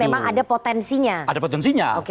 memang ada potensinya ada potensinya